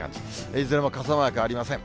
いずれも傘マークありません。